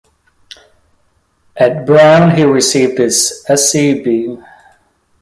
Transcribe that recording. At Brown, he received his Sc.B.